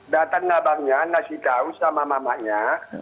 datang abangnya nasi tau sama mamaknya